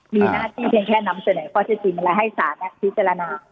มีหน้าที่เพียงแค่นำเสนอข้อเศรษฐีเมื่อไหร่ให้ศาลนักธิจรรยาณา